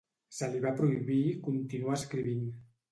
Se li va prohibir continuar escrivint.